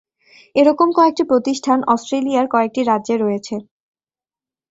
এরকম কয়েকটি প্রতিষ্ঠান অস্ট্রেলিয়ার কয়েকটি রাজ্যে রয়েছে।